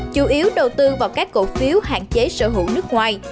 chủ yếu đầu tư vào các cổ phiếu hạn chế sở hữu nước ngoài